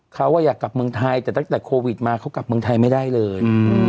เขาอยากกลับเมืองไทยแต่ตั้งแต่โควิดมาเขากลับเมืองไทยไม่ได้เลย